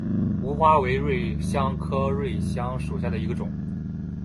芫花为瑞香科瑞香属下的一个种。